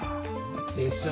でしょ？